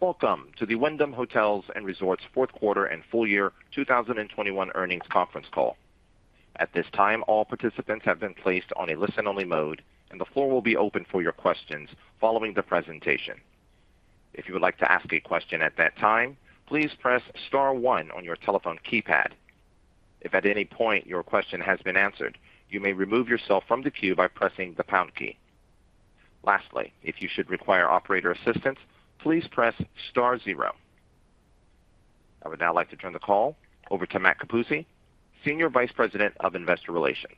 Welcome to the Wyndham Hotels & Resorts fourth quarter and full year 2021 earnings conference call. At this time, all participants have been placed on a listen-only mode, and the floor will be open for your questions following the presentation. If you would like to ask a question at that time, please press star one on your telephone keypad. If at any point your question has been answered, you may remove yourself from the queue by pressing the pound key. Lastly, if you should require operator assistance, please press star zero. I would now like to turn the call over to Matt Capuzzi, Senior Vice President of Investor Relations.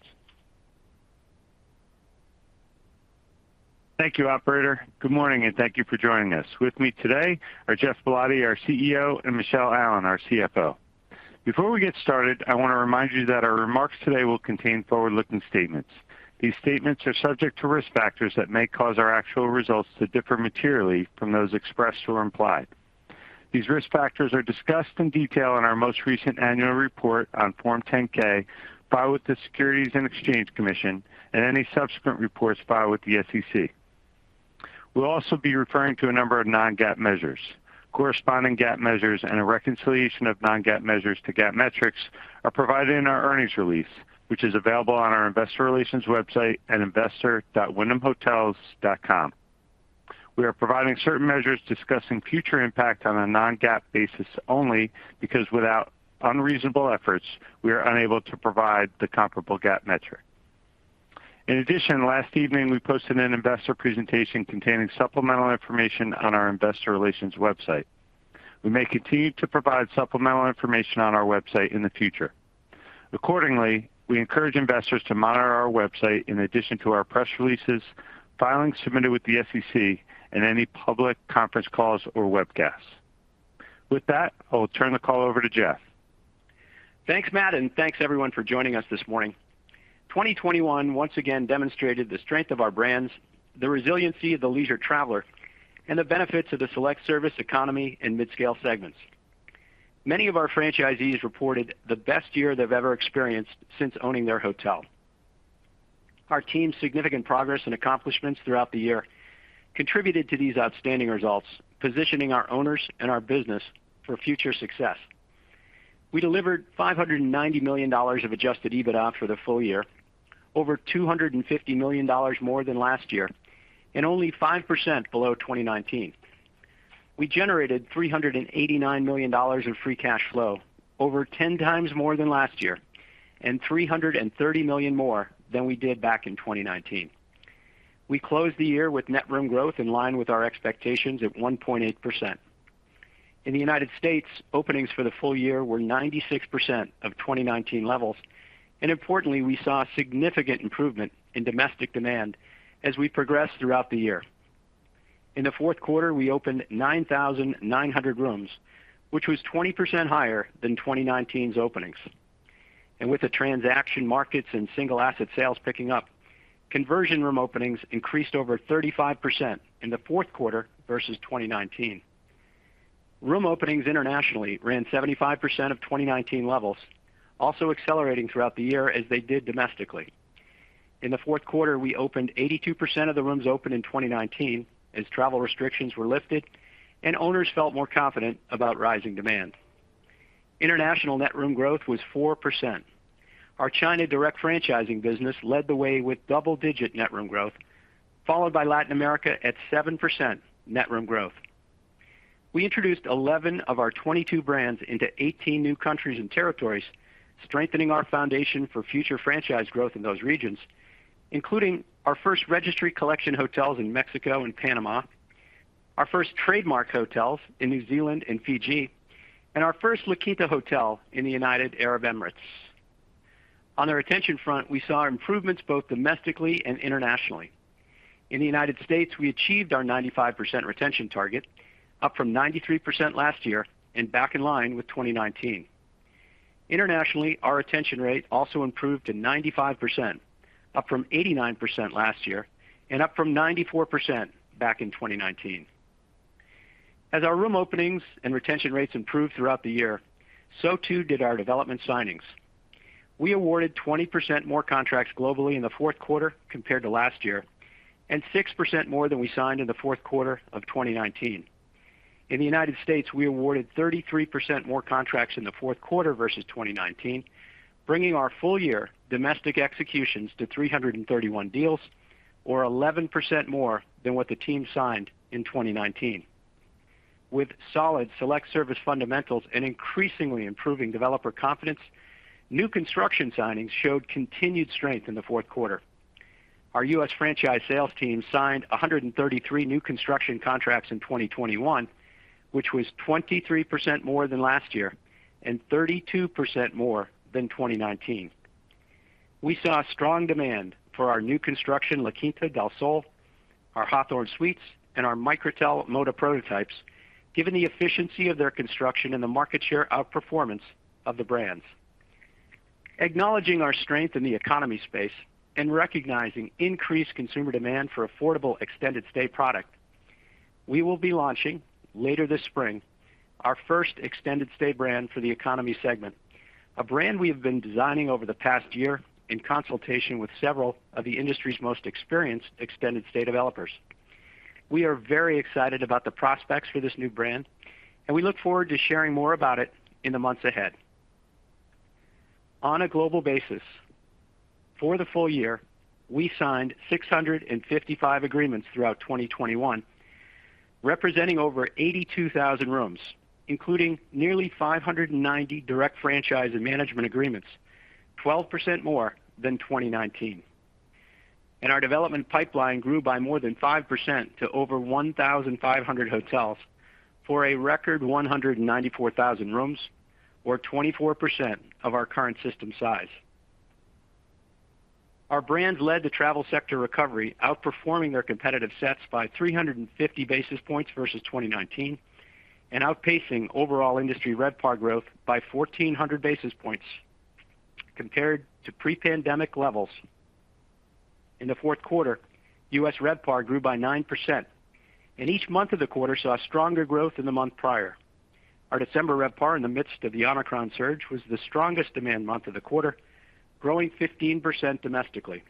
Thank you, operator. Good morning, and thank you for joining us. With me today are Geoff Ballotti, our CEO, and Michele Allen, our CFO. Before we get started, I want to remind you that our remarks today will contain forward-looking statements. These statements are subject to risk factors that may cause our actual results to differ materially from those expressed or implied. These risk factors are discussed in detail in our most recent annual report on Form 10-K filed with the Securities and Exchange Commission and any subsequent reports filed with the SEC. We'll also be referring to a number of non-GAAP measures. Corresponding GAAP measures and a reconciliation of non-GAAP measures to GAAP metrics are provided in our earnings release, which is available on our investor relations website at investor.wyndhamhotels.com. We are providing certain measures discussing future impact on a non-GAAP basis only because without unreasonable efforts, we are unable to provide the comparable GAAP metric. In addition, last evening, we posted an investor presentation containing supplemental information on our investor relations website. We may continue to provide supplemental information on our website in the future. Accordingly, we encourage investors to monitor our website in addition to our press releases, filings submitted with the SEC, and any public conference calls or webcasts. With that, I'll turn the call over to Geoff. Thanks, Matt, and thanks everyone for joining us this morning. 2021 once again demonstrated the strength of our brands, the resiliency of the leisure traveler, and the benefits of the select service economy and midscale segments. Many of our franchisees reported the best year they've ever experienced since owning their hotel. Our team's significant progress and accomplishments throughout the year contributed to these outstanding results, positioning our owners and our business for future success. We delivered $590 million of adjusted EBITDA for the full year, over $250 million more than last year, and only 5% below 2019. We generated $389 million in free cash flow, over 10x more than last year, and $330 million more than we did back in 2019. We closed the year with net room growth in line with our expectations at 1.8%. In the United States, openings for the full year were 96% of 2019 levels, and importantly, we saw significant improvement in domestic demand as we progressed throughout the year. In the fourth quarter, we opened 9,900 rooms, which was 20% higher than 2019's openings. With the transaction markets and single asset sales picking up, conversion room openings increased over 35% in the fourth quarter versus 2019. Room openings internationally ran 75% of 2019 levels, also accelerating throughout the year as they did domestically. In the fourth quarter, we opened 82% of the rooms opened in 2019 as travel restrictions were lifted and owners felt more confident about rising demand. International net room growth was 4%. Our China direct franchising business led the way with double-digit net room growth, followed by Latin America at 7% net room growth. We introduced 11 of our 22 brands into 18 new countries and territories, strengthening our foundation for future franchise growth in those regions, including our first Registry Collection Hotels in Mexico and Panama, our first Trademark hotels in New Zealand and Fiji, and our first La Quinta hotel in the United Arab Emirates. On the retention front, we saw improvements both domestically and internationally. In the United States, we achieved our 95% retention target, up from 93% last year and back in line with 2019. Internationally, our retention rate also improved to 95%, up from 89% last year and up from 94% back in 2019. As our room openings and retention rates improved throughout the year, so too did our development signings. We awarded 20% more contracts globally in the fourth quarter compared to last year and 6% more than we signed in the fourth quarter of 2019. In the United States, we awarded 33% more contracts in the fourth quarter versus 2019, bringing our full year domestic executions to 331 deals or 11% more than what the team signed in 2019. With solid select-service fundamentals and increasingly improving developer confidence, new construction signings showed continued strength in the fourth quarter. Our U.S. franchise sales team signed 133 new construction contracts in 2021, which was 23% more than last year and 32% more than 2019. We saw strong demand for our new construction La Quinta Del Sol, our Hawthorn Suites, and our Microtel Moda prototypes, given the efficiency of their construction and the market share outperformance of the brands. Acknowledging our strength in the economy space and recognizing increased consumer demand for affordable extended stay product, we will be launching later this spring. Our first extended stay brand for the economy segment. A brand we have been designing over the past year in consultation with several of the industry's most experienced extended stay developers. We are very excited about the prospects for this new brand, and we look forward to sharing more about it in the months ahead. On a global basis, for the full year, we signed 655 agreements throughout 2021, representing over 82,000 rooms, including nearly 590 direct franchise and management agreements, 12% more than 2019. Our development pipeline grew by more than 5% to over 1,500 hotels for a record 194,000 rooms, or 24% of our current system size. Our brands led the travel sector recovery outperforming their competitive sets by 350 basis points versus 2019, and outpacing overall industry RevPAR growth by 1,400 basis points compared to pre-pandemic levels. In the fourth quarter, U.S. RevPAR grew by 9%, and each month of the quarter saw stronger growth in the month prior. Our December RevPAR in the midst of the Omicron surge was the strongest demand month of the quarter, growing 15% domestically.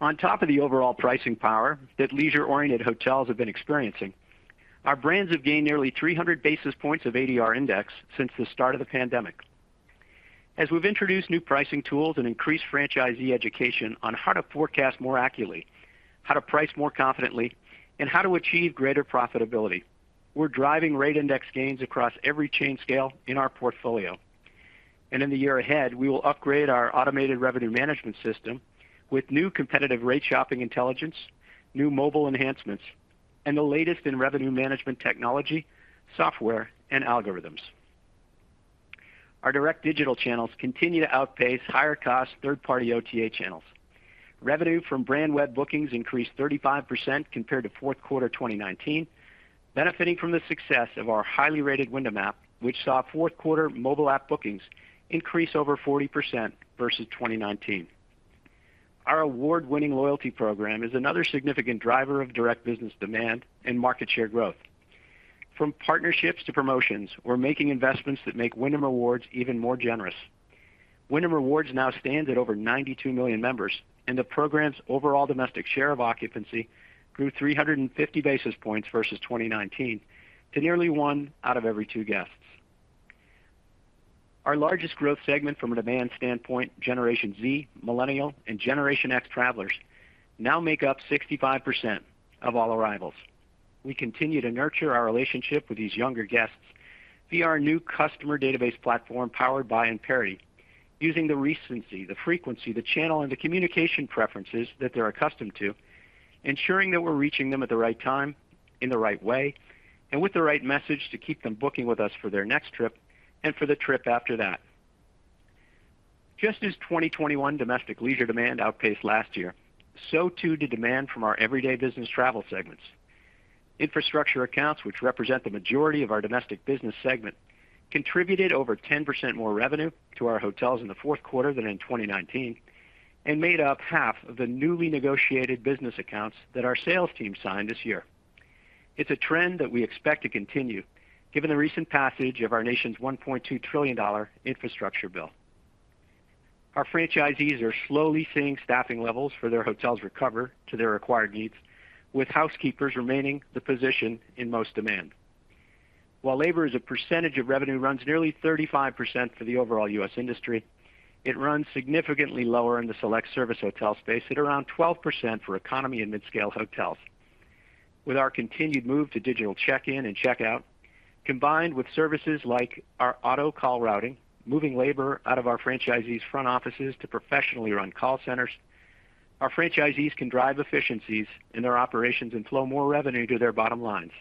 On top of the overall pricing power that leisure-oriented hotels have been experiencing, our brands have gained nearly 300 basis points of ADR index since the start of the pandemic. As we've introduced new pricing tools and increased franchisee education on how to forecast more accurately, how to price more confidently, and how to achieve greater profitability, we're driving rate index gains across every chain scale in our portfolio. In the year ahead, we will upgrade our automated revenue management system with new competitive rate shopping intelligence, new mobile enhancements, and the latest in revenue management technology, software, and algorithms. Our direct digital channels continue to outpace higher cost third-party OTA channels. Revenue from brand web bookings increased 35% compared to fourth quarter 2019, benefiting from the success of our highly rated Wyndham app, which saw fourth quarter mobile app bookings increase over 40% versus 2019. Our award-winning loyalty program is another significant driver of direct business demand and market share growth. From partnerships to promotions, we're making investments that make Wyndham Rewards even more generous. Wyndham Rewards now stands at over 92 million members, and the program's overall domestic share of occupancy grew 350 basis points versus 2019 to nearly one out of every two guests. Our largest growth segment from a demand standpoint, Generation Z, Millennials, and Generation X travelers now make up 65% of all arrivals. We continue to nurture our relationship with these younger guests via our new customer database platform powered by Amperity, using the recency, the frequency, the channel, and the communication preferences that they're accustomed to, ensuring that we're reaching them at the right time, in the right way, and with the right message to keep them booking with us for their next trip and for the trip after that. Just as 2021 domestic leisure demand outpaced last year, so too did demand from our everyday business travel segments. Infrastructure accounts, which represent the majority of our domestic business segment, contributed over 10% more revenue to our hotels in the fourth quarter than in 2019 and made up half of the newly negotiated business accounts that our sales team signed this year. It's a trend that we expect to continue given the recent passage of our nation's $1.2 trillion infrastructure bill. Our franchisees are slowly seeing staffing levels for their hotels recover to their required needs, with housekeepers remaining the most in-demand position. While labor as a percentage of revenue runs nearly 35% for the overall U.S. industry, it runs significantly lower in the select-service hotel space at around 12% for economy and mid-scale hotels. With our continued move to digital check-in and check-out, combined with services like our auto call routing, moving labor out of our franchisees' front offices to professionally run call centers, our franchisees can drive efficiencies in their operations and flow more revenue to their bottom lines.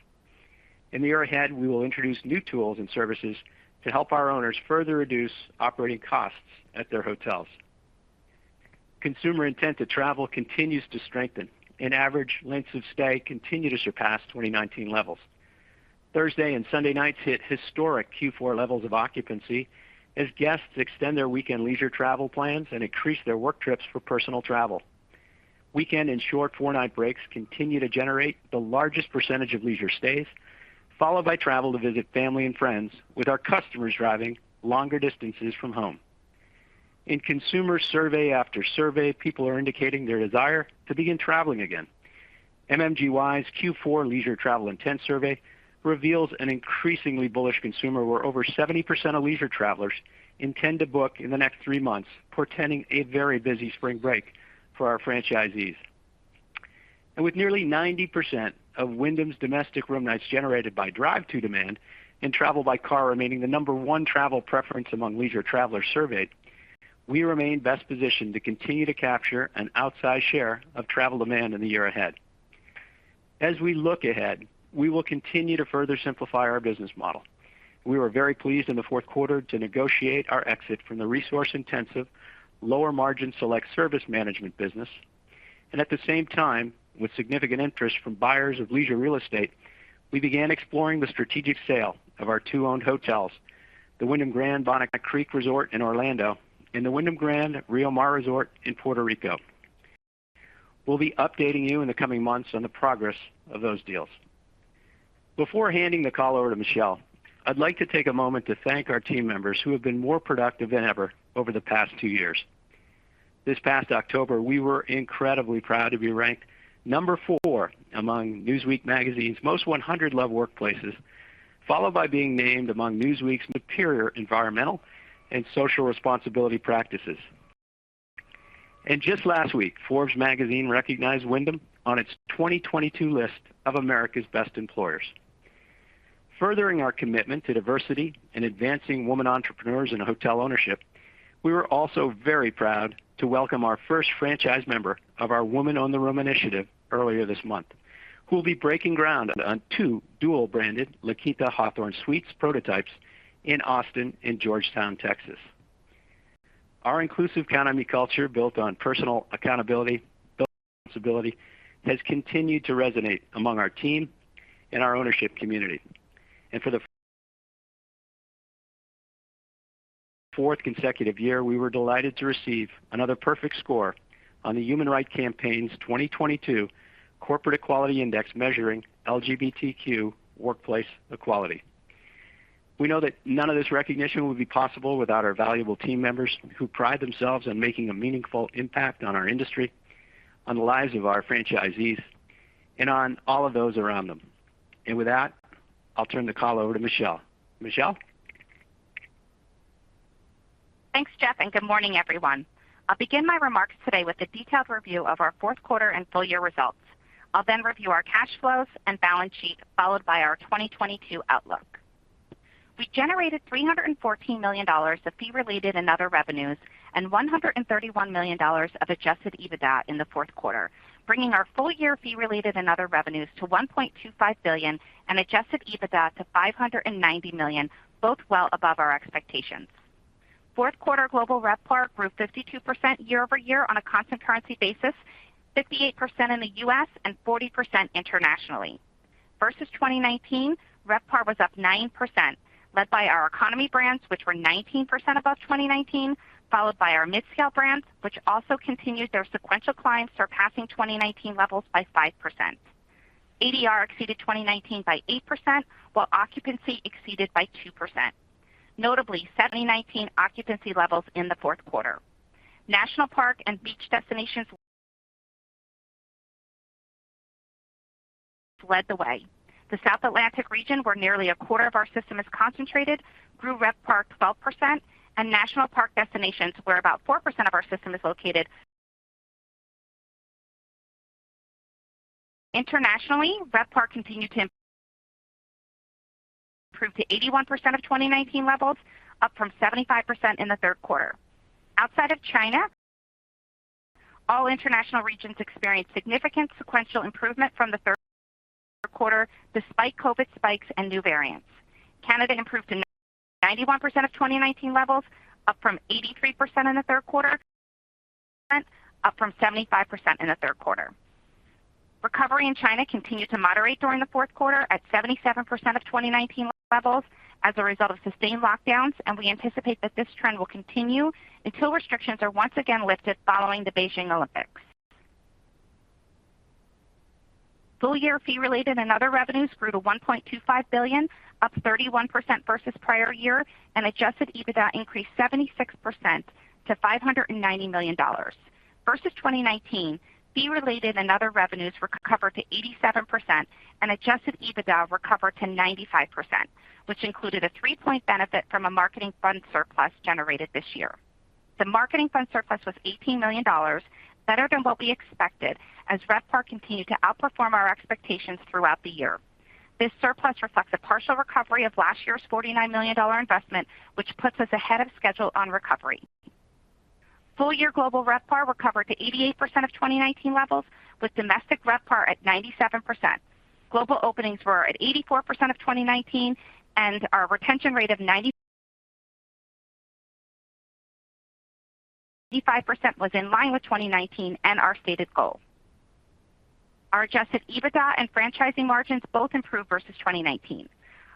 In the year ahead, we will introduce new tools and services to help our owners further reduce operating costs at their hotels. Consumer intent to travel continues to strengthen, and average lengths of stay continue to surpass 2019 levels. Thursday and Sunday nights hit historic Q4 levels of occupancy as guests extend their weekend leisure travel plans and increase their work trips for personal travel. Weekend and short four-night breaks continue to generate the largest percentage of leisure stays, followed by travel to visit family and friends, with our customers driving longer distances from home. In consumer survey after survey, people are indicating their desire to begin traveling again. MMGY's Q4 Leisure Travel Intent Survey reveals an increasingly bullish consumer where over 70% of leisure travelers intend to book in the next three months, portending a very busy spring break for our franchisees. With nearly 90% of Wyndham's domestic room nights generated by drive-to demand and travel by car remaining the number one travel preference among leisure travelers surveyed, we remain best positioned to continue to capture an outsized share of travel demand in the year ahead. As we look ahead, we will continue to further simplify our business model. We were very pleased in the fourth quarter to negotiate our exit from the resource-intensive, lower-margin select service management business. At the same time, with significant interest from buyers of leisure real estate, we began exploring the strategic sale of our two owned hotels, the Wyndham Grand Bonnet Creek Resort in Orlando and the Wyndham Grand Rio Mar Resort in Puerto Rico. We'll be updating you in the coming months on the progress of those deals. Before handing the call over to Michele, I'd like to take a moment to thank our team members who have been more productive than ever over the past two years. This past October, we were incredibly proud to be ranked number four among Newsweek Magazine's 100 Most Loved Workplaces, followed by being named among Newsweek's Superior Environmental and Social Responsibility Practices. Just last week, Forbes Magazine recognized Wyndham on its 2022 list of America's Best Employers. Furthering our commitment to diversity and advancing women entrepreneurs in hotel ownership, we were also very proud to welcome our first franchise member of our Women Own the Room initiative earlier this month, who will be breaking ground on two dual-brand La Quinta and Hawthorn Suites prototypes in Austin and Georgetown, Texas. Our inclusive economy culture, built on personal accountability, built on responsibility, has continued to resonate among our team and our ownership community. For the fourth consecutive year, we were delighted to receive another perfect score on the Human Rights Campaign's 2022 Corporate Equality Index measuring LGBTQ workplace equality. We know that none of this recognition would be possible without our valuable team members who pride themselves on making a meaningful impact on our industry, on the lives of our franchisees, and on all of those around them. With that, I'll turn the call over to Michele. Michele? Thanks, Geoff, and good morning, everyone. I'll begin my remarks today with a detailed review of our fourth quarter and full-year results. I'll then review our cash flows and balance sheet, followed by our 2022 outlook. We generated $314 million of fee related and other revenues, and $131 million of adjusted EBITDA in the fourth quarter, bringing our full-year fee related and other revenues to $1.25 billion, and adjusted EBITDA to $590 million, both well above our expectations. Fourth quarter global RevPAR grew 52% year-over-year on a constant currency basis, 58% in the U.S., and 40% internationally. Versus 2019, RevPAR was up 9%, led by our economy brands, which were 19% above 2019, followed by our midscale brands, which also continued their sequential climb, surpassing 2019 levels by 5%. ADR exceeded 2019 by 8%, while occupancy exceeded by 2%. Notably, 79% occupancy levels in the fourth quarter. National park and beach destinations led the way. The South Atlantic region, where nearly a quarter of our system is concentrated, grew RevPAR 12%, and national park destinations, where about 4% of our system is located. Internationally, RevPAR continued to improve to 81% of 2019 levels, up from 75% in the third quarter. Outside of China, all international regions experienced significant sequential improvement from the third quarter despite COVID spikes and new variants. Canada improved to 91% of 2019 levels, up from 83% in the third quarter, up from 75% in the third quarter. Recovery in China continued to moderate during the fourth quarter at 77% of 2019 levels as a result of sustained lockdowns, and we anticipate that this trend will continue until restrictions are once again lifted following the Beijing Olympics. Full-year fee related and other revenues grew to $1.25 billion, up 31% versus prior year, and adjusted EBITDA increased 76% to $590 million. Versus 2019 fee related and other revenues recovered to 87%, and adjusted EBITDA recovered to 95%, which included a 3-point benefit from a marketing fund surplus generated this year. The marketing fund surplus was $18 million better than what we expected as RevPAR continued to outperform our expectations throughout the year. This surplus reflects a partial recovery of last year's $49 million investment, which puts us ahead of schedule on recovery. Full year global RevPAR recovered to 88% of 2019 levels, with domestic RevPAR at 97%. Global openings were at 84% of 2019, and our retention rate of 95% was in line with 2019 and our stated goal. Our adjusted EBITDA and franchising margins both improved versus 2019.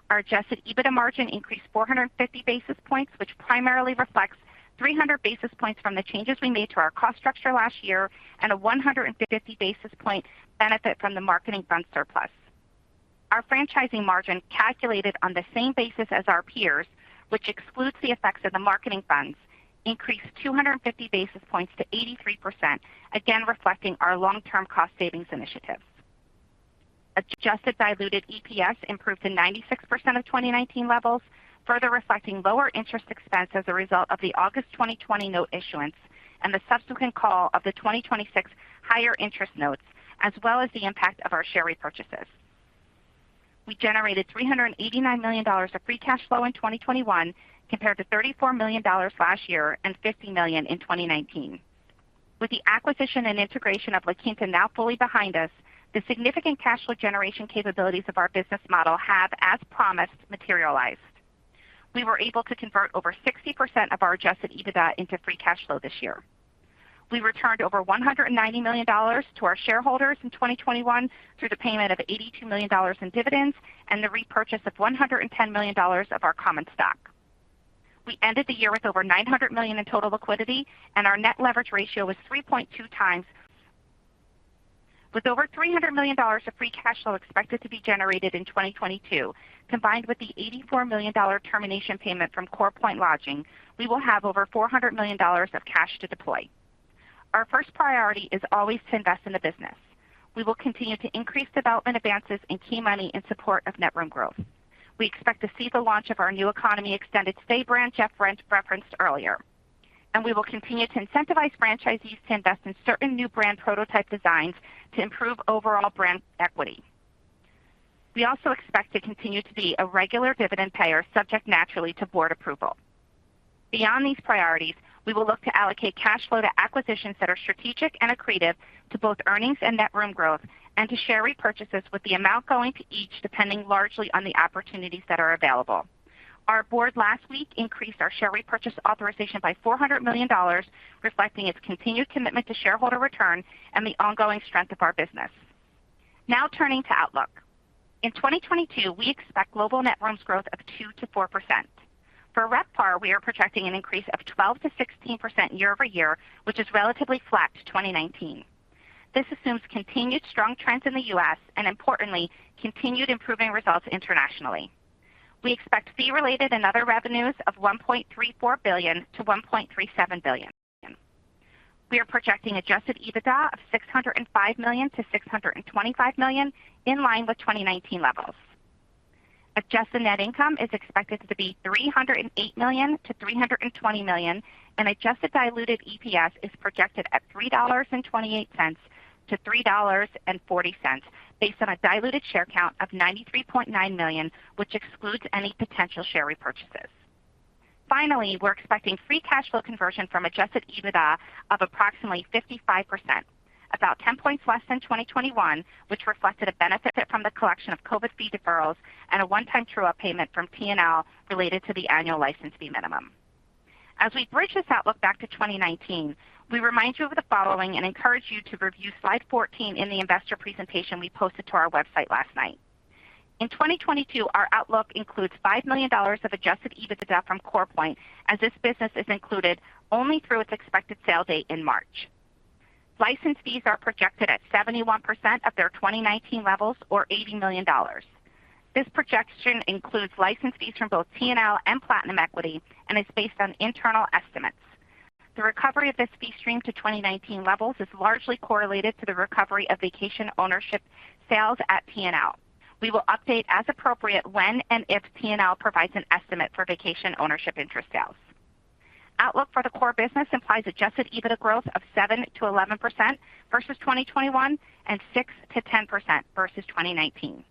Our adjusted EBITDA margin increased 450 basis points, which primarily reflects 300 basis points from the changes we made to our cost structure last year, and a 150 basis point benefit from the marketing fund surplus. Our franchising margin, calculated on the same basis as our peers, which excludes the effects of the marketing funds, increased 250 basis points to 83%, again reflecting our long term cost savings initiatives. Adjusted diluted EPS improved to 96% of 2019 levels, further reflecting lower interest expense as a result of the August 2020 note issuance and the subsequent call of the 2026 higher interest notes, as well as the impact of our share repurchases. We generated $389 million of free cash flow in 2021 compared to $34 million last year and $50 million in 2019. With the acquisition and integration of La Quinta now fully behind us, the significant cash flow generation capabilities of our business model have, as promised, materialized. We were able to convert over 60% of our adjusted EBITDA into free cash flow this year. We returned over $190 million to our shareholders in 2021 through the payment of $82 million in dividends and the repurchase of $110 million of our common stock. We ended the year with over $900 million in total liquidity, and our net leverage ratio was 3.2x. With over $300 million of free cash flow expected to be generated in 2022, combined with the $84 million termination payment from CorePoint Lodging, we will have over $400 million of cash to deploy. Our first priority is always to invest in the business. We will continue to increase development advances in key money in support of net room growth. We expect to see the launch of our new economy extended stay brand, Geoff referenced earlier, and we will continue to incentivize franchisees to invest in certain new brand prototype designs to improve overall brand equity. We also expect to continue to be a regular dividend payer, subject naturally to board approval. Beyond these priorities, we will look to allocate cash flow to acquisitions that are strategic and accretive to both earnings and net room growth and to share repurchases with the amount going to each, depending largely on the opportunities that are available. Our board last week increased our share repurchase authorization by $400 million, reflecting its continued commitment to shareholder return and the ongoing strength of our business. Now turning to outlook. In 2022, we expect global net rooms growth of 2%-4%. For RevPAR, we are projecting an increase of 12%-16% year-over-year, which is relatively flat to 2019. This assumes continued strong trends in the U.S. and importantly, continued improving results internationally. We expect fee related and other revenues of $1.34 billion-$1.37 billion. We are projecting adjusted EBITDA of $605 million-$625 million in line with 2019 levels. Adjusted net income is expected to be $308 million-$320 million, and adjusted diluted EPS is projected at $3.28-$3.40 based on a diluted share count of 93.9 million, which excludes any potential share repurchases. Finally, we're expecting free cash flow conversion from adjusted EBITDA of approximately 55%, about 10 points less than 2021, which reflected a benefit from the collection of COVID fee deferrals and a one-time true-up payment from TNL related to the annual license fee minimum. As we bridge this outlook back to 2019, we remind you of the following and encourage you to review slide 14 in the investor presentation we posted to our website last night. In 2022, our outlook includes $5 million of adjusted EBITDA from CorePoint, as this business is included only through its expected sale date in March. License fees are projected at 71% of their 2019 levels or $80 million. This projection includes license fees from both TNL and Platinum Equity and is based on internal estimates. The recovery of this fee stream to 2019 levels is largely correlated to the recovery of vacation ownership sales at TNL. We will update as appropriate when and if TNL provides an estimate for vacation ownership interest sales. Outlook for the core business implies adjusted EBITDA growth of 7%-11% versus 2021 and 6%-10% versus 2019.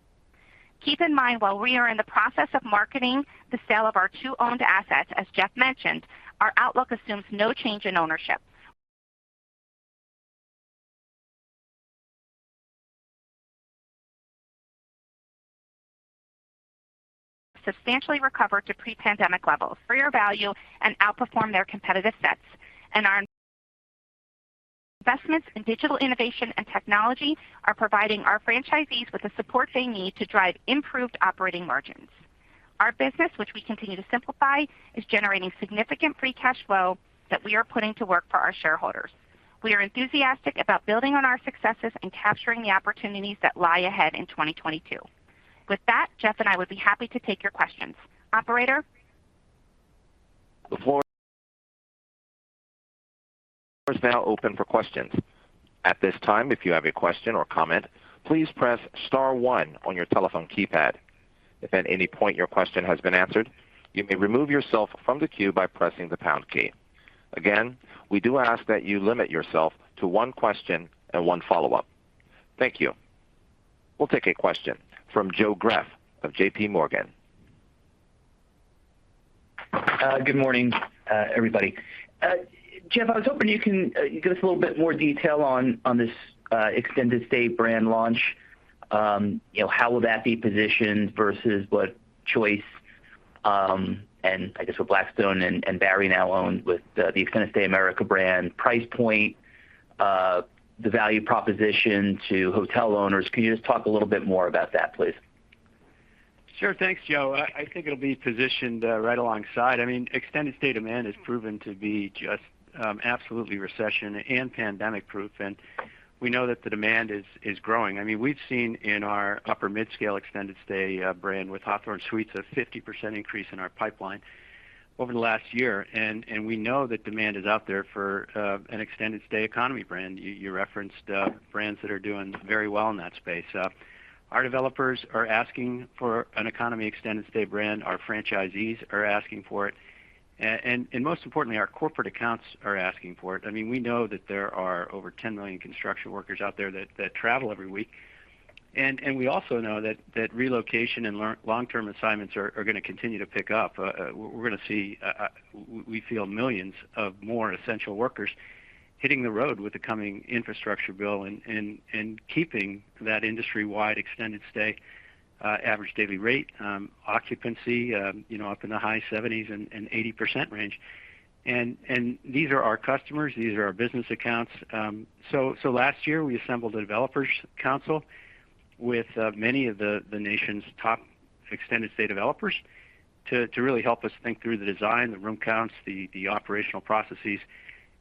Keep in mind, while we are in the process of marketing the sale of our two owned assets, as Geoff mentioned, our outlook assumes no change in ownership. Substantially recover to pre-pandemic levels for our value and outperform their competitive sets. Our investments in digital innovation and technology are providing our franchisees with the support they need to drive improved operating margins. Our business, which we continue to simplify, is generating significant free cash flow that we are putting to work for our shareholders. We are enthusiastic about building on our successes and capturing the opportunities that lie ahead in 2022. With that, Geoff and I would be happy to take your questions. Operator? The floor is now open for questions. At this time, if you have a question or comment, please press star one on your telephone keypad. If at any point your question has been answered, you may remove yourself from the queue by pressing the pound key. Again, we do ask that you limit yourself to one question and one follow-up. Thank you. We'll take a question from Joe Greff of J.P. Morgan. Good morning, everybody. Geoff, I was hoping you can give us a little bit more detail on this extended stay brand launch. You know, how will that be positioned versus what Choice and I guess what Blackstone and Barry now own with the Extended Stay America brand price point, the value proposition to hotel owners. Can you just talk a little bit more about that, please? Sure. Thanks, Joe. I think it'll be positioned right alongside. I mean, extended stay demand has proven to be just absolutely recession and pandemic proof, and we know that the demand is growing. I mean, we've seen in our upper midscale extended stay brand with Hawthorn Suites, a 50% increase in our pipeline over the last year. We know that demand is out there for an extended stay economy brand. You referenced brands that are doing very well in that space. Our developers are asking for an economy extended stay brand. Our franchisees are asking for it. Most importantly, our corporate accounts are asking for it. I mean, we know that there are over 10 million construction workers out there that travel every week. We also know that relocation and long-term assignments are gonna continue to pick up. We're gonna see we feel millions of more essential workers hitting the road with the coming infrastructure bill and keeping that industry-wide extended stay average daily rate occupancy, you know, up in the high 70s and 80% range. These are our customers, these are our business accounts. So last year, we assembled a developers council with many of the nation's top extended stay developers to really help us think through the design, the room counts, the operational processes,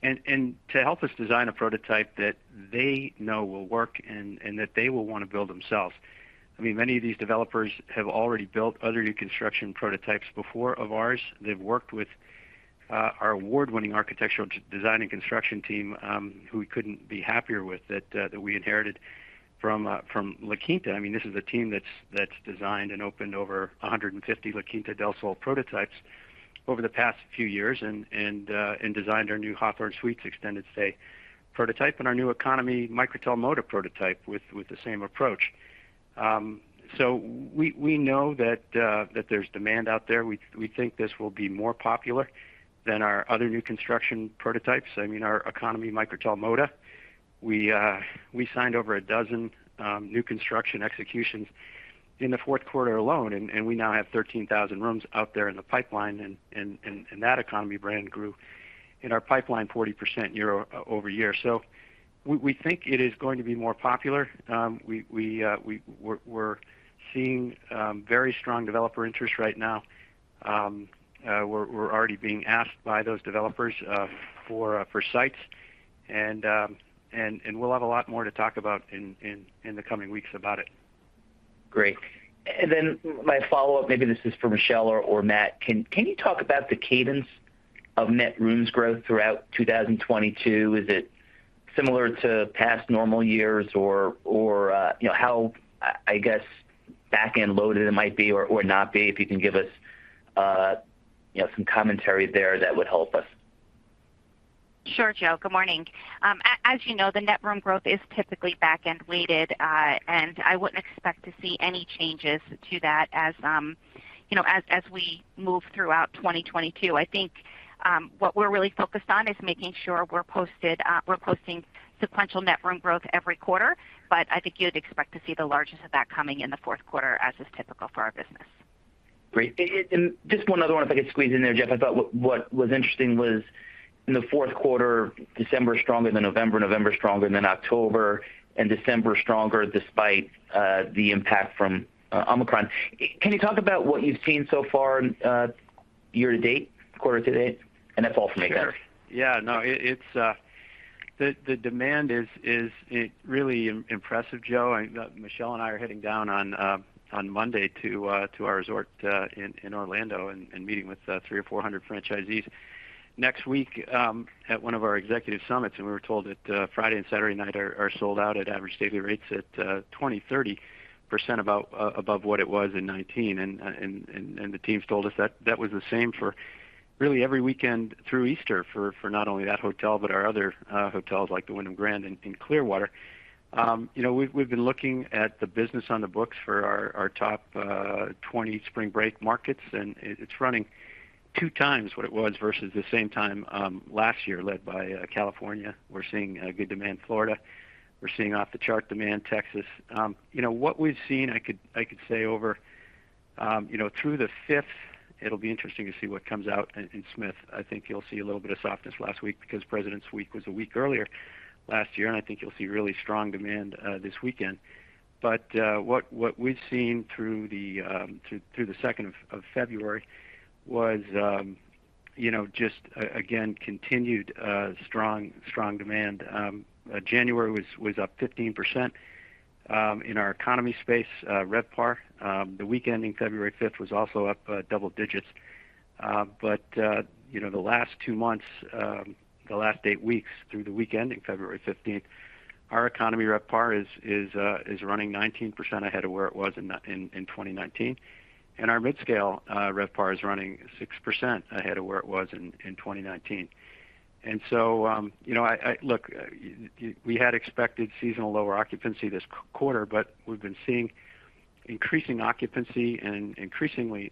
and to help us design a prototype that they know will work and that they will wanna build themselves. I mean, many of these developers have already built other new construction prototypes before of ours. They've worked with our award-winning architectural design and construction team, who we couldn't be happier with, that we inherited from La Quinta. I mean, this is a team that's designed and opened over 150 La Quinta Del Sol prototypes over the past few years and designed our new Hawthorn Suites extended stay prototype and our new economy Microtel Moda prototype with the same approach. We know that there's demand out there. We think this will be more popular than our other new construction prototypes. I mean, our economy Microtel Moda, we signed over a dozen new construction executions in the fourth quarter alone, and we now have 13,000 rooms out there in the pipeline, and that economy brand grew in our pipeline 40% year-over-year. We think it is going to be more popular. We're seeing very strong developer interest right now. We're already being asked by those developers for sites. We'll have a lot more to talk about in the coming weeks about it. Great. Then my follow-up, maybe this is for Michele or Matt. Can you talk about the cadence of net rooms growth throughout 2022? Is it similar to past normal years or you know, how I guess, backend loaded it might be or not be? If you can give us some commentary there, that would help us. Sure, Joe. Good morning. As you know, the net room growth is typically backend weighted. I wouldn't expect to see any changes to that as we move throughout 2022. I think what we're really focused on is making sure we're posting sequential net room growth every quarter. I think you'd expect to see the largest of that coming in the fourth quarter, as is typical for our business. Great. And just one other one, if I could squeeze in there, Jeff. I thought what was interesting was in the fourth quarter, December stronger than November stronger than October, and December stronger despite the impact from Omicron. Can you talk about what you've seen so far, year-to-date, quarter-to-date? That's all for me, guys. Sure. Yeah, no. It's really impressive, Joe. Michele and I are heading down on Monday to our resort in Orlando and meeting with 300 or 400 franchisees next week at one of our executive summits. We were told that Friday and Saturday night are sold out at average daily rates 20%-30% above what it was in 2019. The teams told us that that was the same for really every weekend through Easter for not only that hotel but our other hotels like the Wyndham Grand in Clearwater. You know, we've been looking at the business on the books for our top 20 spring break markets, and it's running two times what it was versus the same time last year, led by California. We're seeing good demand in Florida. We're seeing off-the-chart demand Texas. You know, what we've seen, I could say over you know through the fifth, it'll be interesting to see what comes out in Smith. I think you'll see a little bit of softness last week because President's Week was a week earlier last year, and I think you'll see really strong demand this weekend. But what we've seen through the through the second of February was you know just again continued strong demand. January was up 15% in our economy space, RevPAR. The week ending February 5th was also up double digits. You know, the last two months, the last eight weeks through the week ending February 15th, our economy RevPAR is running 19% ahead of where it was in 2019, and our midscale RevPAR is running 6% ahead of where it was in 2019. You know, look, we had expected seasonal lower occupancy this quarter, but we've been seeing increasing occupancy and increasingly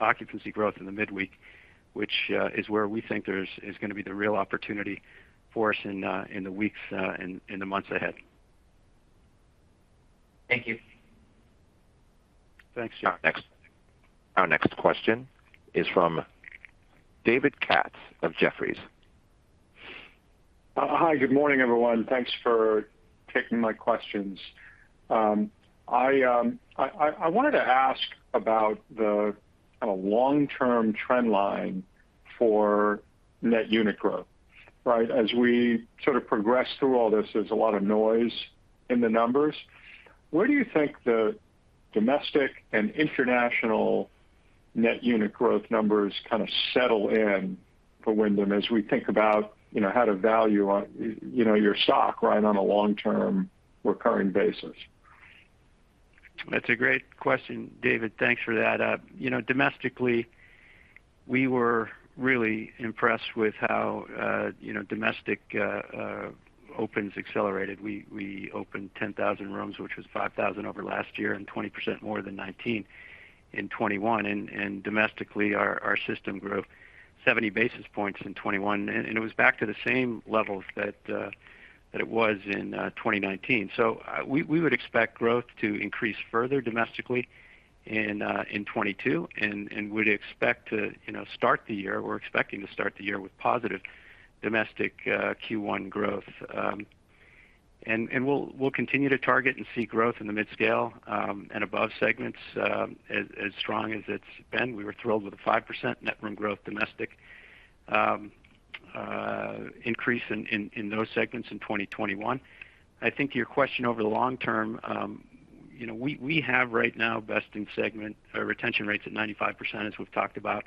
occupancy growth in the midweek, which is where we think there's gonna be the real opportunity for us in the weeks and in the months ahead. Thank you. Thanks, Joe. Our next question is from David Katz of Jefferies. Hi. Good morning, everyone. Thanks for taking my questions. I wanted to ask about the kind of long-term trend line for net unit growth, right? As we sort of progress through all this, there's a lot of noise in the numbers. Where do you think the domestic and international net unit growth numbers kind of settle in for Wyndham as we think about, you know, how to value on, you know, your stock, right, on a long-term recurring basis? That's a great question, David. Thanks for that. You know, domestically, we were really impressed with how, you know, domestic opens accelerated. We opened 10,000 rooms, which was 5,000 over last year and 20% more than 2019 in 2021. Domestically, our system grew 70 basis points in 2021, and it was back to the same levels that it was in 2019. We would expect growth to increase further domestically in 2022 and would expect to, you know, start the year. We're expecting to start the year with positive domestic Q1 growth. We'll continue to target and see growth in the midscale and above segments as strong as it's been. We were thrilled with the 5% net room growth domestic increase in those segments in 2021. I think your question over the long term, you know, we have right now best in segment retention rates at 95%, as we've talked about.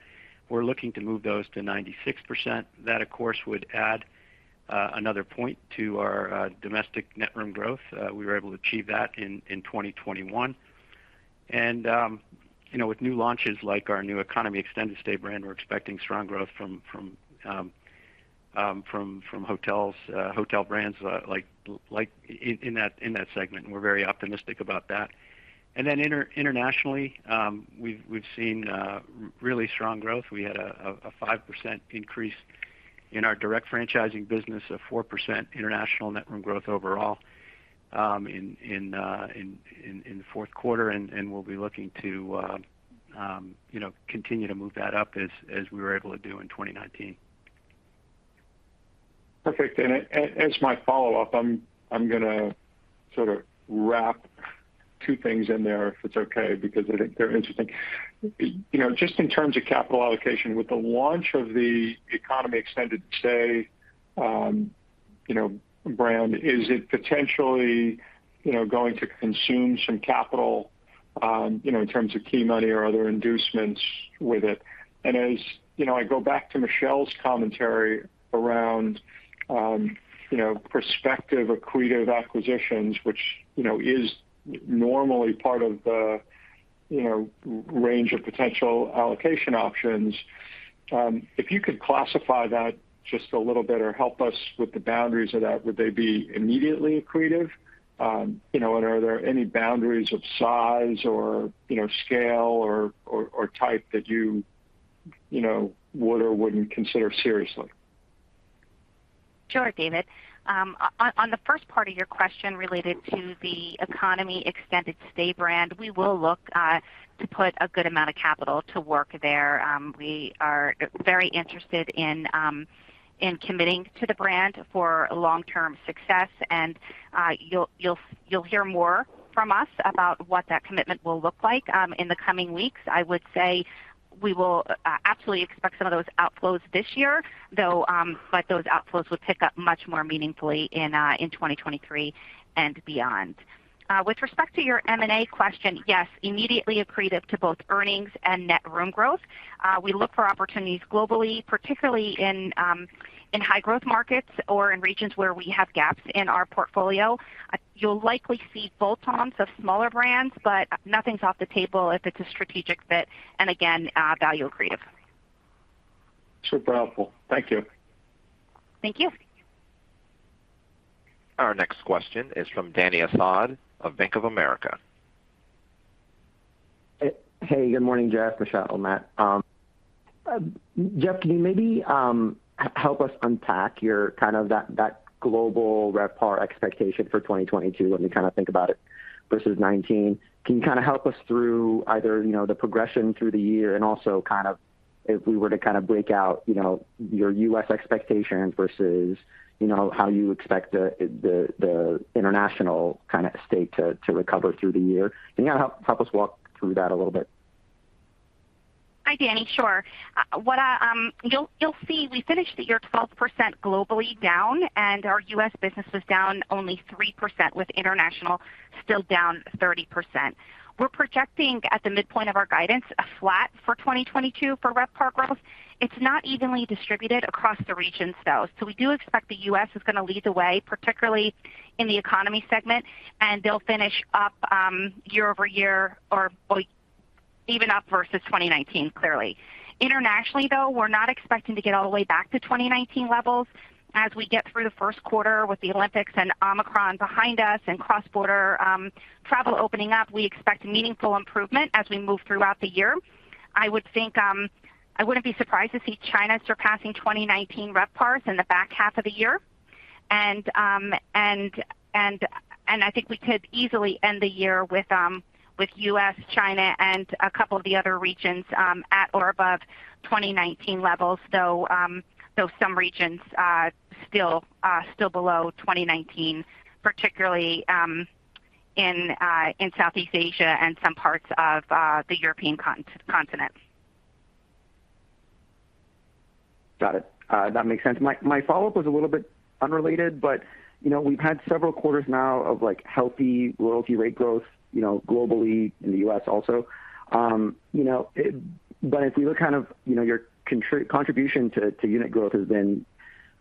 We're looking to move those to 96%. That, of course, would add another point to our domestic net room growth. We were able to achieve that in 2021. You know, with new launches like our new Economy Extended Stay brand, we're expecting strong growth from hotel brands like in that segment, and we're very optimistic about that. Internationally, we've seen really strong growth. We had a 5% increase in our direct franchising business, a 4% international net room growth overall, in the fourth quarter, and we'll be looking to, you know, continue to move that up as we were able to do in 2019. Perfect. As my follow-up, I'm gonna sort of wrap two things in there if it's okay, because I think they're interesting. You know, just in terms of capital allocation, with the launch of the Economy Extended Stay brand, is it potentially going to consume some capital in terms of key money or other inducements with it? As you know, I go back to Michele's commentary around prospective accretive acquisitions, which is normally part of the range of potential allocation options. If you could classify that just a little bit or help us with the boundaries of that, would they be immediately accretive? You know, and are there any boundaries of size or scale or type that you would or wouldn't consider seriously? Sure, David. On the first part of your question related to the Economy Extended Stay brand, we will look to put a good amount of capital to work there. We are very interested in committing to the brand for long-term success, and you'll hear more from us about what that commitment will look like in the coming weeks. I would say we will absolutely expect some of those outflows this year, though, but those outflows will pick up much more meaningfully in 2023 and beyond. With respect to your M&A question, yes, immediately accretive to both earnings and net room growth. We look for opportunities globally, particularly in high growth markets or in regions where we have gaps in our portfolio. You'll likely see bolt-ons of smaller brands, but nothing's off the table if it's a strategic fit, and again, value accretive. Super helpful. Thank you. Thank you. Our next question is from Dany Asad of Bank of America. Hey, good morning, Geoff, Michele and Matt. Geoff, can you maybe help us unpack your kind of that global RevPAR expectation for 2022 when we kind of think about it versus 2019? Can you kind of help us through either, you know, the progression through the year and also kind of if we were to kind of break out, you know, your U.S. expectations versus, you know, how you expect the international kind of state to recover through the year? Can you help us walk through that a little bit? Hi, Dany. Sure. You'll see we finished the year 12% globally down, and our U.S. business was down only 3%, with international still down 30%. We're projecting at the midpoint of our guidance a flat for 2022 for RevPAR growth. It's not evenly distributed across the regions, though. We do expect the U.S. is going to lead the way, particularly in the economy segment, and they'll finish up year-over-year or even up versus 2019, clearly. Internationally, though, we're not expecting to get all the way back to 2019 levels. As we get through the first quarter with the Olympics and Omicron behind us and cross-border travel opening up, we expect meaningful improvement as we move throughout the year. I would think I wouldn't be surprised to see China surpassing 2019 RevPARs in the back half of the year. I think we could easily end the year with U.S., China, and a couple of the other regions at or above 2019 levels, though some regions are still below 2019, particularly in Southeast Asia and some parts of the European continent. Got it. That makes sense. My follow-up was a little bit unrelated, but you know, we've had several quarters now of like healthy loyalty rate growth, you know, globally in the U.S. also. If we look kind of, you know, your contribution to unit growth has been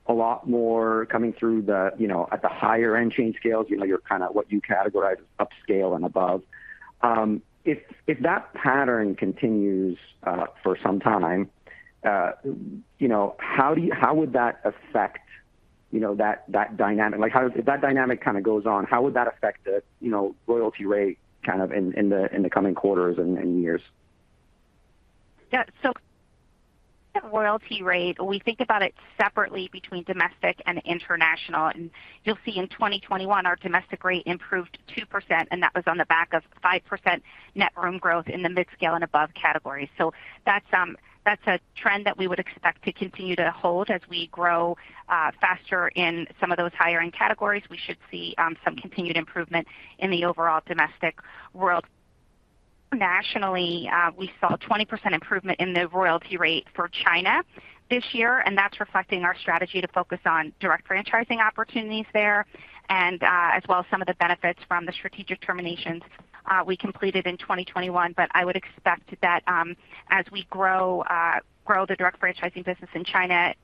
a lot more coming through the, you know, at the higher end chain scales, you know, your kind of what you categorize upscale and above. If that pattern continues for some time, you know, how would that affect that dynamic? Like, if that dynamic kind of goes on, how would that affect the loyalty rate kind of in the coming quarters and years? Yeah. Loyalty rate, we think about it separately between domestic and international. You'll see in 2021, our domestic rate improved 2%, and that was on the back of 5% net room growth in the midscale and above category. That's a trend that we would expect to continue to hold. As we grow faster in some of those higher end categories, we should see some continued improvement in the overall domestic world. Nationally, we saw a 20% improvement in the loyalty rate for China this year, and that's reflecting our strategy to focus on direct franchising opportunities there and, as well as some of the benefits from the strategic terminations, we completed in 2021. I would expect that, as we grow the direct franchising business in China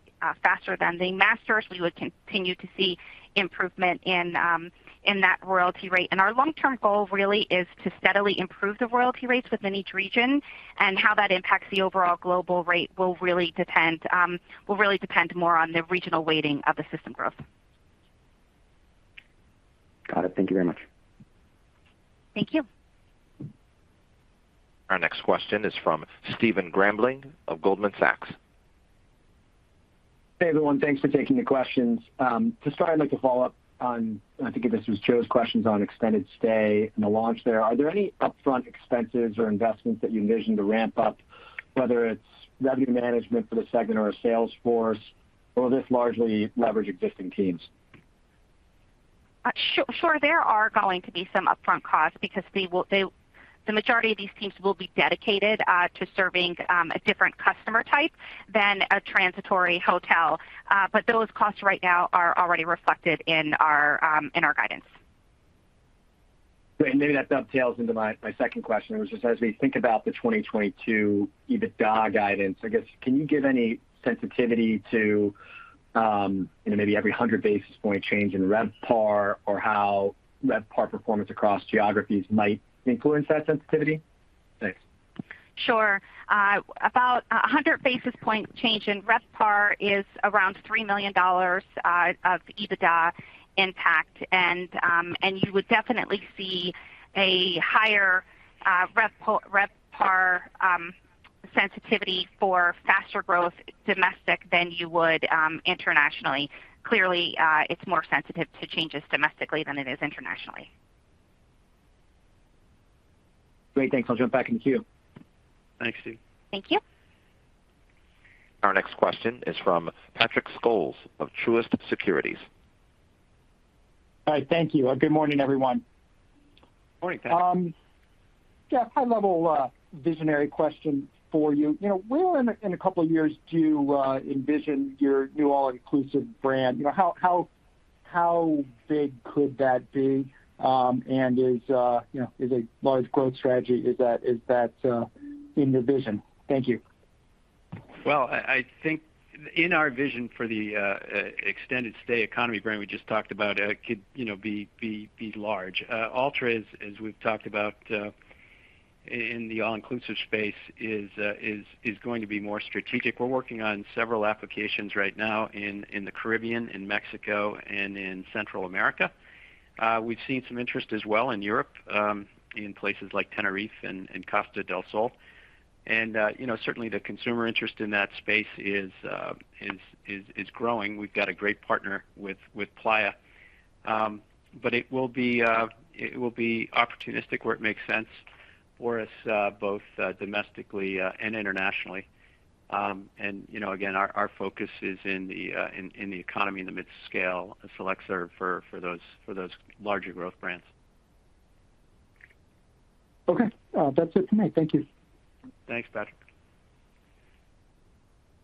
faster than the masters, we would continue to see improvement in that royalty rate. Our long-term goal really is to steadily improve the royalty rates within each region. How that impacts the overall global rate will really depend more on the regional weighting of the system growth. Got it. Thank you very much. Thank you. Our next question is from Stephen Grambling of Goldman Sachs. Hey, everyone. Thanks for taking the questions. To start, I'd like to follow up on, and I think this was Joe's questions on extended stay and the launch there. Are there any upfront expenses or investments that you envision to ramp up, whether it's revenue management for the segment or a sales force, or will this largely leverage existing teams? Sure. There are going to be some upfront costs because the majority of these teams will be dedicated to serving a different customer type than a transient hotel. Those costs right now are already reflected in our guidance. Great. Maybe that dovetails into my second question, which is, as we think about the 2022 EBITDA guidance, I guess, can you give any sensitivity to, you know, maybe every 100 basis point change in RevPAR or how RevPAR performance across geographies might influence that sensitivity? Thanks. Sure. About 100 basis point change in RevPAR is around $3 million of EBITDA impact. You would definitely see a higher RevPAR sensitivity for faster growth domestically than you would internationally. Clearly, it's more sensitive to changes domestically than it is internationally. Great. Thanks. I'll jump back in the queue. Thanks, Stephen. Thank you. Our next question is from Patrick Scholes of Truist Securities. Hi. Thank you. Good morning, everyone. Morning, Patrick. Geoff, high-level, visionary question for you. You know, where in a couple of years do you envision your new all-inclusive brand? You know, how big could that be? Is a large growth strategy in your vision? Thank you. I think in our vision for the extended stay economy brand we just talked about, you know, could be large. Alltra, as we've talked about, in the all-inclusive space, is going to be more strategic. We're working on several applications right now in the Caribbean, in Mexico, and in Central America. We've seen some interest as well in Europe, in places like Tenerife and Costa del Sol. You know, certainly the consumer interest in that space is growing. We've got a great partner with Playa. It will be opportunistic where it makes sense for us, both domestically and internationally. You know, again, our focus is in the economy, in the mid-scale, select-service for those larger growth brands. Okay. That's it for me. Thank you. Thanks, Patrick.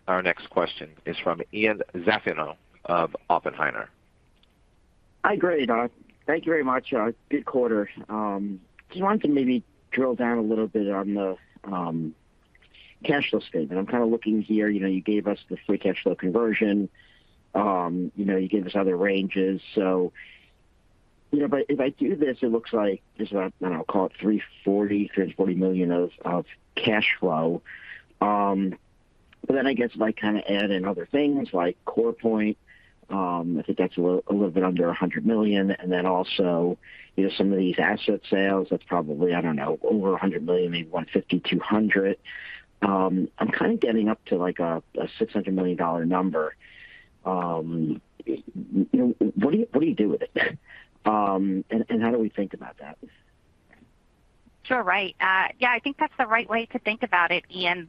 Our next question is from Ian Zaffino of Oppenheimer. Hi, great. Thank you very much. Good quarter. Just wanted to maybe drill down a little bit on the cash flow statement. I'm kind of looking here. You know, you gave us the free cash flow conversion. You know, you gave us other ranges. You know, but if I do this, it looks like just about, I don't know, call it $340 million of cash flow. But then I guess if I kind of add in other things like CorePoint, I think that's a little bit under $100 million. Then also, you know, some of these asset sales, that's probably, I don't know, over $100 million, maybe $150-$200 million. I'm kind of getting up to, like a $600 million number. You know, what do you do with it? How do we think about that? Sure. Right. Yeah, I think that's the right way to think about it, Ian.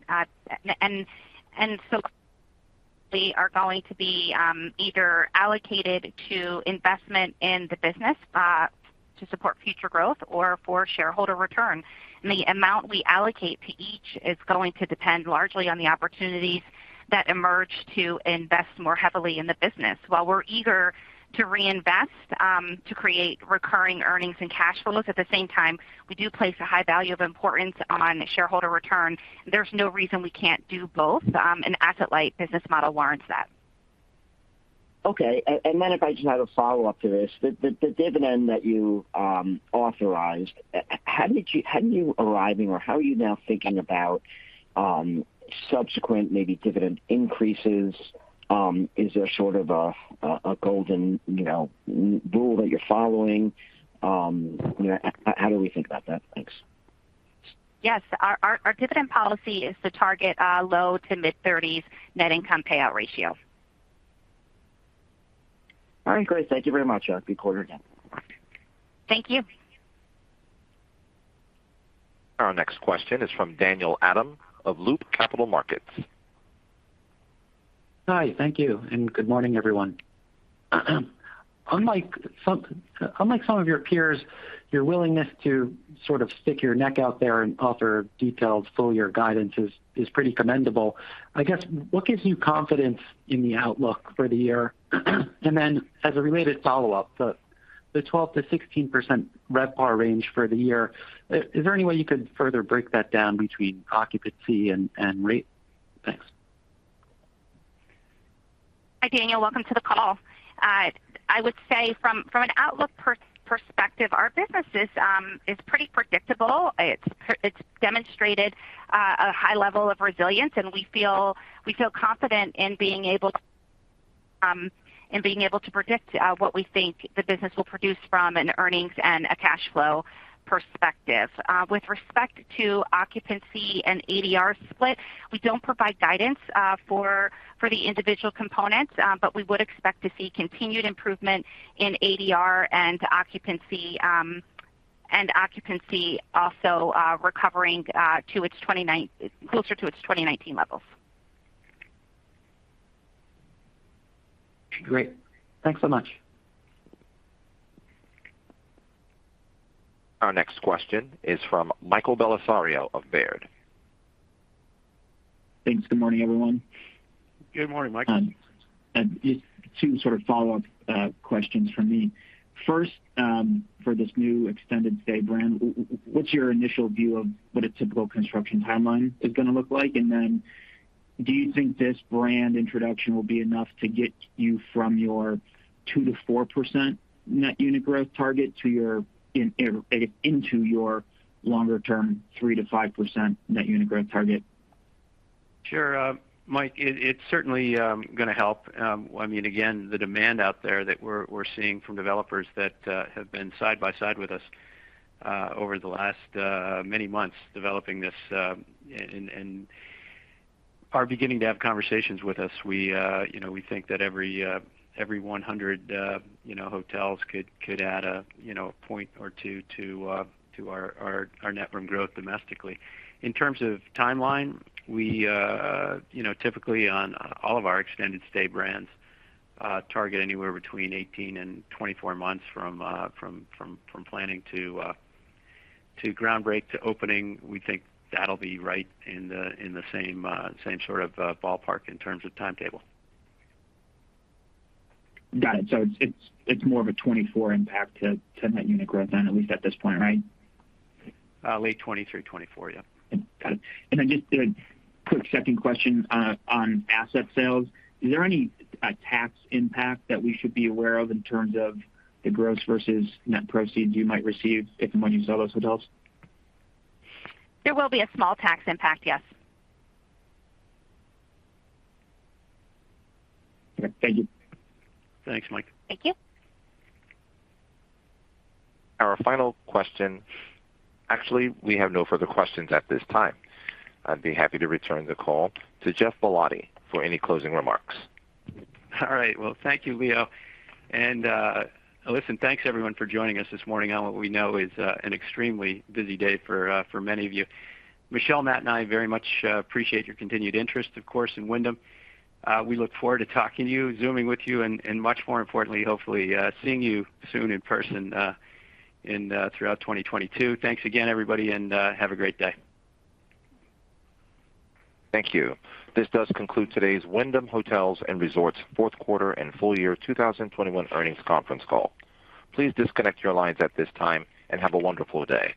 They are going to be either allocated to investment in the business to support future growth or for shareholder return. The amount we allocate to each is going to depend largely on the opportunities that emerge to invest more heavily in the business. While we're eager to reinvest to create recurring earnings and cash flows, at the same time, we do place a high value of importance on shareholder return. There's no reason we can't do both. An asset-light business model warrants that. Okay. Then if I just have a follow-up to this. The dividend that you authorized, how do you arrive or how are you now thinking about subsequent maybe dividend increases? Is there sort of a golden, you know, rule that you're following? You know, how do we think about that? Thanks. Yes. Our dividend policy is to target low- to mid-30s net income payout ratio. All right, great. Thank you very much. Good quarter again. Thank you. Our next question is from Daniel Adam of Loop Capital Markets. Hi. Thank you, and good morning, everyone. Unlike some of your peers, your willingness to sort of stick your neck out there and offer detailed full year guidance is pretty commendable. I guess what gives you confidence in the outlook for the year? Then as a related follow-up, the 12%-16% RevPAR range for the year, is there any way you could further break that down between occupancy and rate? Thanks. Hi, Daniel. Welcome to the call. I would say from an outlook perspective, our business is pretty predictable. It's demonstrated a high level of resilience, and we feel confident in being able to predict what we think the business will produce from an earnings and a cash flow perspective. With respect to occupancy and ADR split, we don't provide guidance for the individual components, but we would expect to see continued improvement in ADR and occupancy, and occupancy also recovering closer to its 2019 levels. Great. Thanks so much. Our next question is from Michael Bellisario of Baird. Thanks. Good morning, everyone. Good morning, Michael. Just two sort of follow-up questions from me. First, for this new extended stay brand, what's your initial view of what a typical construction timeline is gonna look like? Then do you think this brand introduction will be enough to get you from your 2%-4% net unit growth target to your, I guess, into your longer term 3%-5% net unit growth target? Sure. Mike, it's certainly gonna help. I mean, again, the demand out there that we're seeing from developers that have been side by side with us over the last many months developing this, and are beginning to have conversations with us. We, you know, we think that every 100, you know, hotels could add a, you know, a point or two to our net room growth domestically. In terms of timeline, we, you know, typically on all of our extended stay brands target anywhere between 18 and 24 months from planning to groundbreaking to opening. We think that'll be right in the same sort of ballpark in terms of timetable. Got it. It's more of a 24 impact to net unit growth than, at least at this point, right? Late 2023, 2024, yeah. Got it. Just a quick second question on asset sales. Is there any tax impact that we should be aware of in terms of the gross versus net proceeds you might receive if and when you sell those hotels? There will be a small tax impact, yes. Okay. Thank you. Thanks, Mike. Thank you. Actually, we have no further questions at this time. I'd be happy to return the call to Geoff Ballotti for any closing remarks. All right. Well, thank you, Leo. Listen, thanks everyone for joining us this morning on what we know is an extremely busy day for many of you. Michele, Matt, and I very much appreciate your continued interest, of course, in Wyndham. We look forward to talking to you, Zooming with you, and much more importantly, hopefully, seeing you soon in person throughout 2022. Thanks again, everybody, and have a great day. Thank you. This does conclude today's Wyndham Hotels & Resorts fourth quarter and full year 2021 earnings conference call. Please disconnect your lines at this time, and have a wonderful day.